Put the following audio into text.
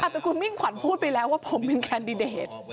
แต่คุณมิ่งขวัญพูดไปแล้วว่าผมเป็นแคนดิเดต